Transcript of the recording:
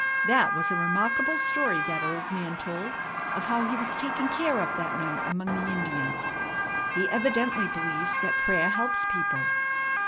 That was a remarkable story that old man told of how he was taken care of that night among the Indians. He evidently believes that prayer helps people."